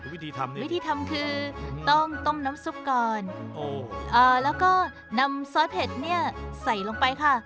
วิธีทำเลยวิธีทำคือต้องต้มน้ำซุปก่อนแล้วก็นำซอสเผ็ดเนี่ยใส่ลงไปค่ะ